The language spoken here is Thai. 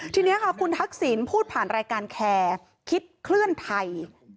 ทีนี้ค่ะคุณทักษิณพูดผ่านรายการแคร์คิดเคลื่อนไทย